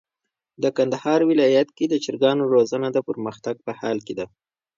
د کندهار ولايت کي د چرګانو روزنه د پرمختګ په حال کي ده.